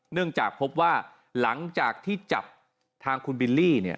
เนื่องจากพบว่าหลังจากที่จับทางคุณบิลลี่เนี่ย